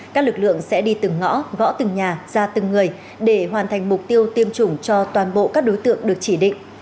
các lực lượng sẽ đi từng ngõ gõ từng nhà ra từng người để hoàn thành mục tiêu tiêm chủng cho toàn bộ các đối tượng được chỉ định